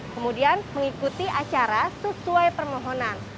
kemudian mengikuti acara sesuai permohonan